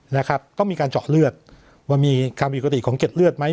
นะครับต้องมีการเจาะเลือดว่ามีความผิดปกติของเก็ดเลือดไหม